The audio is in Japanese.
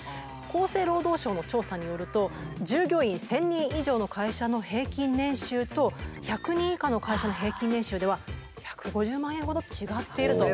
厚生労働省の調査によると従業員１，０００人以上の会社の平均年収と１００人以下の会社の平均年収では１５０万円ほど違っていると。